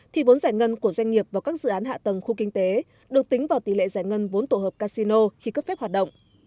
thì vốn giải ngân của doanh nghiệp vào các dự án hạ tầng khu kinh tế được tính vào tỷ lệ giải ngân vốn tổ hợp casino khi cấp phép hoạt động